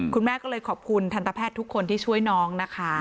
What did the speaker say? คุณแม่ก็เลยขอบคุณทันตแพทย์ทุกคนที่ช่วยน้องนะคะ